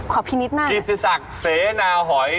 ขอพี่นิดหน้าคิฟสักเซนาหอย